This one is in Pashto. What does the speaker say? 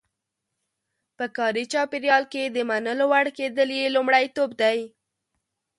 په کاري چاپېریال کې د منلو وړ کېدل یې لومړیتوب دی.